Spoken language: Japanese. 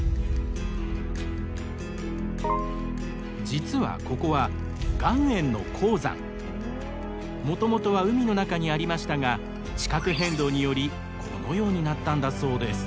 実はここはもともとは海の中にありましたが地殻変動によりこのようになったんだそうです。